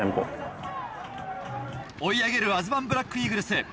追い上げるアズワンブラックイーグルス。